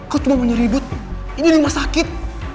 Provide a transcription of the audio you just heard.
kok cuma mau nyuribut ini rumah sakit